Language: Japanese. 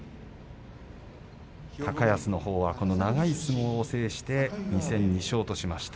高安のほうはこの長い相撲を制して２戦２勝としました。